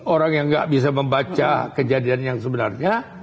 orang yang gak bisa membaca kejadian yang sebenarnya